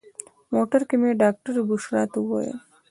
موټر کې مې ډاکټرې بشرا ته وویل.